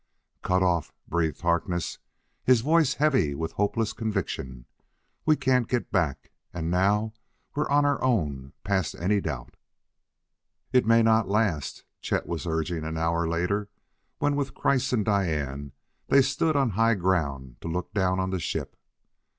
"Cut off!" breathed Harkness, his voice heavy with hopeless conviction. "We can't get back! And now we're on our own past any doubt!" "It may not last," Chet was urging an hour later, when, with Kreiss and Diane, they stood on high ground to look down on the ship.